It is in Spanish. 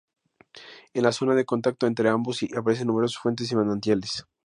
En la zona de contacto entre ambos aparecen numerosas fuentes y manantiales.